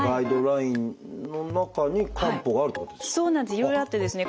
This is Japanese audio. いろいろあってですね